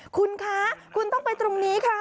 คุณคะคุณต้องไปตรงนี้ค่ะ